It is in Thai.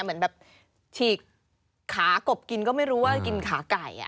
เหมือนแบบฉีกขากบกินก็ไม่รู้ว่ากินขาไก่